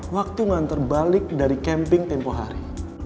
waktu mengantar balik dari camping tempoh hari